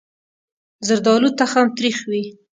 زردالو تخم تریخ وي.